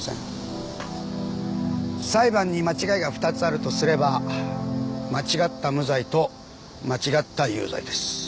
裁判に間違いが２つあるとすれば間違った無罪と間違った有罪です。